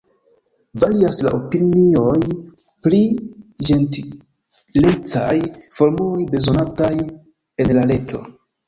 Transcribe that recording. Varias la opinioj pri ĝentilecaj formuloj bezonataj en la reto.